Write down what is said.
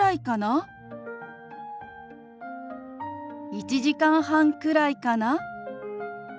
「１時間半くらいかな」。